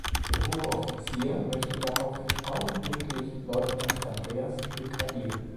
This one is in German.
Der hohe Offizier möchte daraufhin augenblicklich Leutnant Andreas degradieren.